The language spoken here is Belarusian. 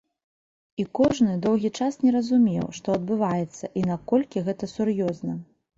І кожны доўгі час не разумеў, што адбываецца і наколькі гэта сур'ёзна.